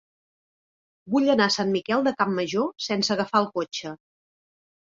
Vull anar a Sant Miquel de Campmajor sense agafar el cotxe.